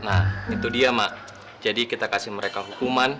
nah itu dia mak jadi kita kasih mereka hukuman